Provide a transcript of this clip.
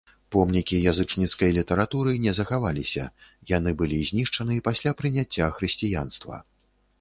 Помнікі язычніцкай літаратуры не захаваліся, яны былі знішчаны пасля прыняцця хрысціянства.